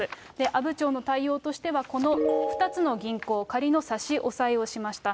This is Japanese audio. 阿武町の対応としては、この２つの銀行を仮の差し押さえをしました。